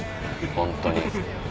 本当に。